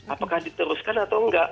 apakah diteruskan atau enggak